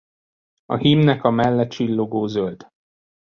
A hímnek a melle csillogó zöld.